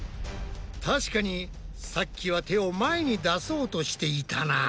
確かにさっきは手を前に出そうとしていたな。